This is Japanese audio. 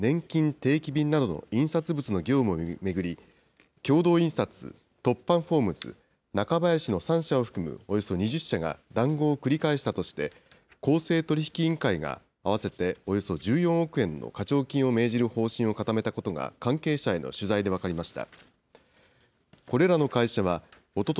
定期便などの印刷物の業務を巡り、共同印刷、トッパン・フォームズ、ナカバヤシの３社を含むおよそ２０社が談合を繰り返したとして公正取引委員会が合わせておよそ１４億円の課徴金を命じる方針を固めたことが関係者への取材で分かりました。